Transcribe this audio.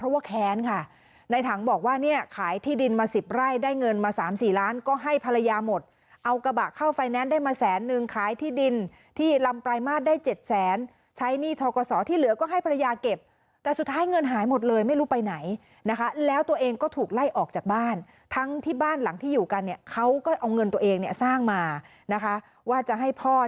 เพราะว่าแค้นค่ะในถังบอกว่าเนี่ยขายที่ดินมาสิบไร่ได้เงินมาสามสี่ล้านก็ให้ภรรยาหมดเอากระบะเข้าไฟแนนซ์ได้มาแสนนึงขายที่ดินที่ลำปลายมาตรได้เจ็ดแสนใช้หนี้ทกศที่เหลือก็ให้ภรรยาเก็บแต่สุดท้ายเงินหายหมดเลยไม่รู้ไปไหนนะคะแล้วตัวเองก็ถูกไล่ออกจากบ้านทั้งที่บ้านหลังที่อยู่กันเนี่ยเขาก็เอาเงินตัวเองเนี่ยสร้างมานะคะว่าจะให้พ่อ